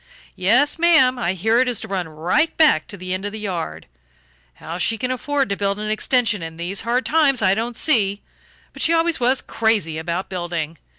Yes, ma'am. I hear it is to run right back to the end of the yard. How she can afford to build an extension in these hard times I don't see; but she always was crazy about building.